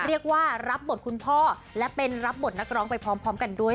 เรียกว่ารับบทคุณพ่อและเป็นรับบทนักร้องไปพร้อมกันด้วย